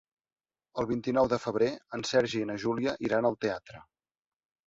El vint-i-nou de febrer en Sergi i na Júlia iran al teatre.